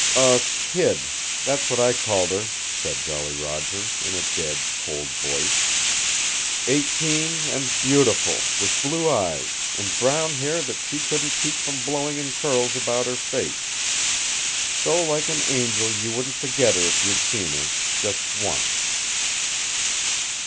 "A kid. That's what I called her," said Jolly Roger, in a dead, cold voice. "Eighteen, and beautiful, with blue eyes, and brown hair that she couldn't keep from blowing in curls about her face. So like an angel you wouldn't forget her if you'd seen her just once."